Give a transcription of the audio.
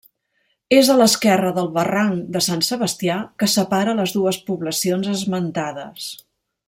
És a l'esquerra del Barranc de Sant Sebastià, que separa les dues poblacions esmentades.